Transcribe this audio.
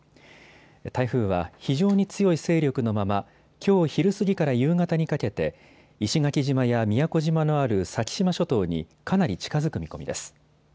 台風は非常に強い勢力のままきょう昼過ぎから夕方にかけて石垣島や宮古島のある先島諸島にかなり近づく見込みです。